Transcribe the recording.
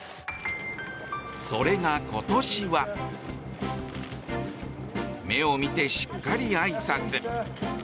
それが今年は目を見てしっかりあいさつ。